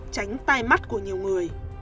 tránh tai mắt của nhiều người